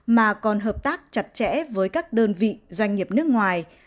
mà còn hợp tác chặt chẽ với các đơn vị doanh nghiệp nước ngoài